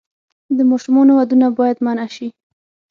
د ماشومانو ودونه باید منع شي.